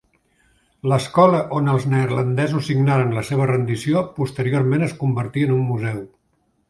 L'escola on els neerlandesos signaren la seva rendició posteriorment es convertí en un museu.